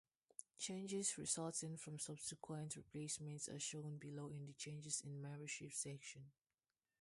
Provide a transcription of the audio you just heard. Changes resulting from subsequent replacements are shown below in the "Changes in membership" section.